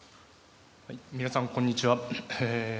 皆さんこんにちは。